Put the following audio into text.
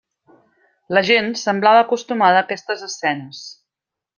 La gent semblava acostumada a aquestes escenes.